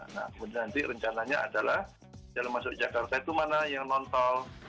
nah kemudian nanti rencananya adalah jalan masuk ke jakarta itu mana yang nontol